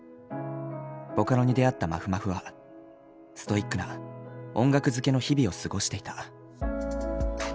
ボカロに出会ったまふまふはストイックな音楽漬けの日々を過ごしていた。